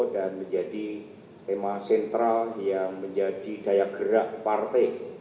dan menjadi tema sentral yang menjadi daya gerak partai